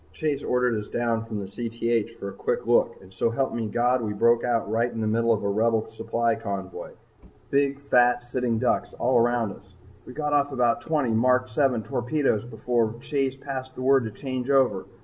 Chase ordered us down from Cth for a quick look and so help me, God, we broke out right in the middle of a Rebel supply convoy big, fat, sitting ducks all around us. We got off about twenty Mark VII torpedoes before Chase passed the word to change over.